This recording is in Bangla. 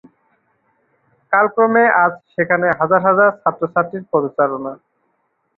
কাল ক্রমে আজ সেখানে হাজার হাজার ছাত্র-ছাত্রীর পদচারণা।